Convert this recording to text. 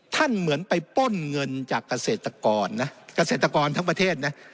เหมือนไปป้นเงินจากเกษตรกรนะเกษตรกรทั้งประเทศนะ